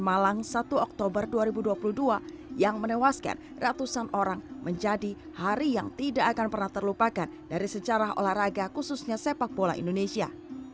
malang satu oktober dua ribu dua puluh dua yang menewaskan ratusan orang menjadi hari yang tidak akan pernah terlupakan dari sejarah olahraga khususnya sepak bola indonesia